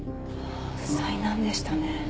災難でしたね。